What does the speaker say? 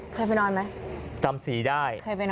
เคยไปนอนไม่จำซีได้